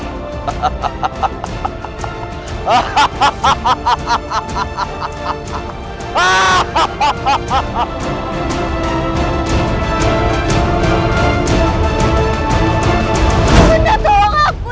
ibu dahat tolong aku